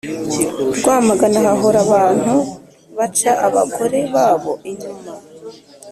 rwamagana hahora abantu baca abagore babo inyuma